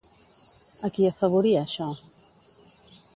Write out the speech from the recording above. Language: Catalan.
A qui afavoria això?